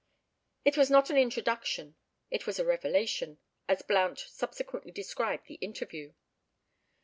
It was not an introduction—it was a revelation, as Blount subsequently described the interview.